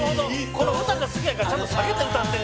「この歌が好きやからちゃんと下げて歌ってる」